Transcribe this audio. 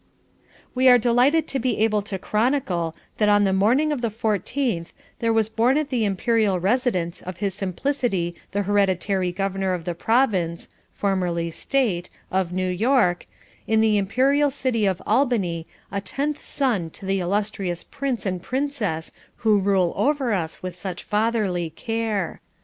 We are delighted to be able to chronicle that on the morning of the 14th there was born at the Imperial Residence of His Simplicity the Hereditary Governor of the Provinz (formerly State) of New York, in the (Imperial) city of Albany a tenth son to the illustrious Prince and Princess who rule over us with such fatherly care.